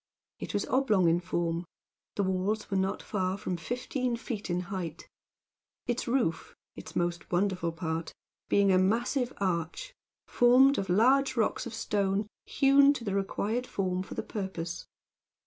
It was oblong in form: the walls were not far from fifteen feet in height: its roof its most wonderful part being a massive arch, formed of large blocks of stone hewn to the required form for the purpose.